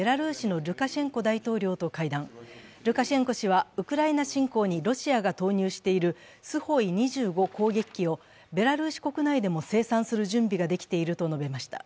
ルカシェンコ氏はウクライナ侵攻にロシアが投入しているスホイ２５攻撃機をベラルーシ国内でも生産する準備ができていると述べました。